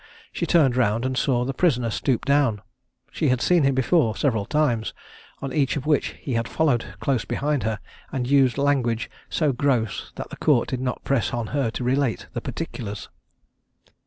She turned round and saw the prisoner stoop down: she had seen him before several times, on each of which he had followed close behind her, and used language so gross that the Court did not press on her to relate the particulars.